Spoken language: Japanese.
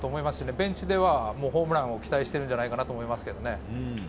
ベンチへはホームランを期待していると思いますけどね。